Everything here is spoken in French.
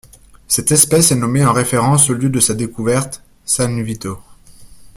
Cette espèce est nommée en référence au lieu de sa découverte, San Vito.